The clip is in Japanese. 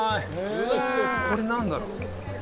これ何だろう？